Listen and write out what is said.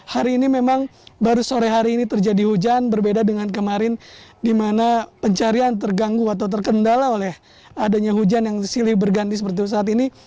hari ini memang baru sore hari ini terjadi hujan berbeda dengan kemarin di mana pencarian terganggu atau terkendala oleh adanya hujan yang silih berganti seperti saat ini